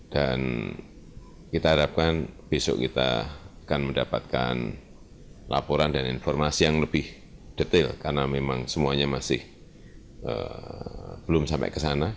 dan kita harapkan besok kita akan mendapatkan laporan dan informasi yang lebih detail karena memang semuanya masih belum sampai ke sana